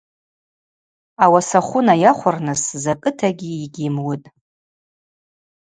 Ауаса хвы найахвырныс закӏытагьи йгь йымуытӏ.